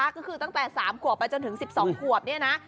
ก็คือตั้งแต่๓ขวบไปจนถึง๑๒ขวบเนี่ยนะ